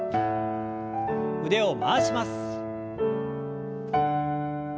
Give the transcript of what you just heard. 腕を回します。